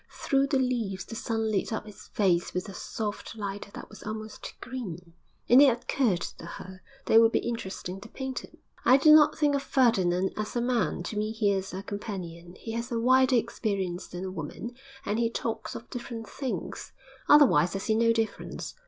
Through the leaves the sun lit up his face with a soft light that was almost green, and it occurred to her that it would be interesting to paint him. '_I do not think of Ferdinand as a man; to me he is a companion. He has a wider experience than a woman, and he talks of different things. Otherwise I see no difference.